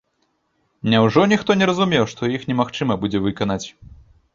Няўжо ніхто не разумеў, што іх немагчыма будзе выканаць?